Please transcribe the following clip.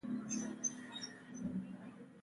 افغانستان د اوبزین معدنونه کوربه دی.